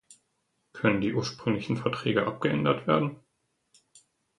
Können die ursprünglichen Verträge abgeändert werden?